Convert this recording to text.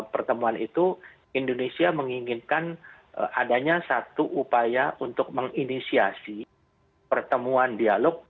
pertemuan itu indonesia menginginkan adanya satu upaya untuk menginisiasi pertemuan dialog